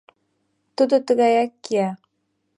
Тудо тугаяк кия.